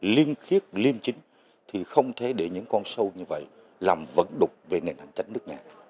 liên khiết liên chính thì không thể để những con sâu như vậy làm vấn đục về nền hành chấn nước nhà